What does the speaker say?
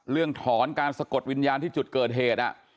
เรื่องถอนการสะกดวิญญาณที่จุดเกิดเหตุ